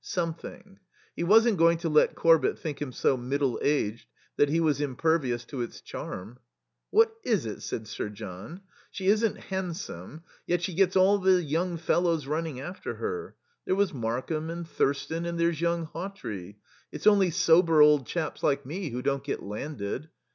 Something. He wasn't going to let Corbett think him so middle aged that he was impervious to its charm. "What is it?" said Sir John. "She isn't handsome, yet she gets all the young fellows running after her. There was Markham, and Thurston, and there's young Hawtrey. It's only sober old chaps like me who don't get landed....